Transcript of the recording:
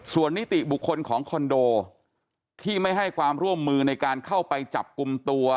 ส่วนนิติบุคคลของคอนโดที่ไม่ให้ความร่วมมือในการเข้าไปจับกลุ่มตัว